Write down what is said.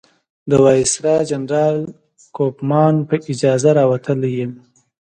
د وایسرا جنرال کوفمان په اجازه راوتلی یم.